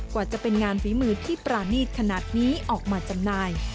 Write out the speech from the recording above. ว่าจะเป็นงานฝีมือที่ปรานีตขนาดนี้ออกมาจำหน่าย